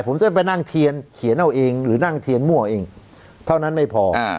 ผมจะไปนั่งเทียนเขียนเอาเองหรือนั่งเทียนมั่วเองเท่านั้นไม่พอ